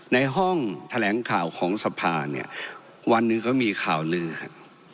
ในห้องแถลงข่าวของสภาเนี่ยวันหนึ่งก็มีข่าวลือครับ